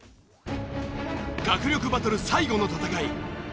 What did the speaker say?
学力バトル最後の戦い。